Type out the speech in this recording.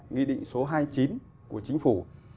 nghị định số hai mươi chín của chính phủ